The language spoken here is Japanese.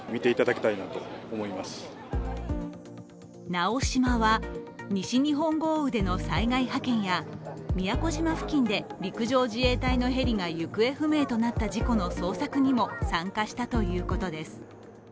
「なおしま」は西日本豪雨での災害派遣や宮古島付近で陸上自衛隊のヘリが行方不明となった事故の捜索にも参加したということです。